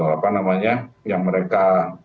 apa namanya yang mereka